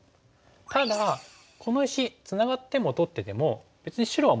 ただこの石ツナがっても取ってても別に白はもともと壁でしたよね。